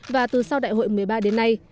và từ sau đại hội một mươi ba đến nay